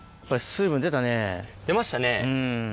出ましたね。